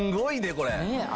これ。